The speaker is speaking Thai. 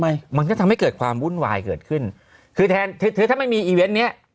มันก็ทำให้เกิดความวุ่นวายเกิดขึ้นคือแทนคือถ้าไม่มีอีเวนต์เนี้ย